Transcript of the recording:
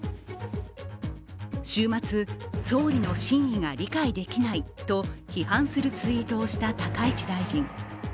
週末、総理の真意が理解できないと批判するツイートをした高市大臣。